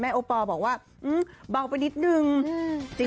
แม่โอปอล์บอกว่าอื้มเบาไปนิดนึง